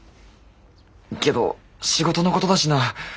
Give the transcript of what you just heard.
けど仕事のことだしな。